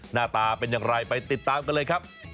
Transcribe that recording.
หน้าตาเป็นอย่างไรไปติดตามกันเลยครับ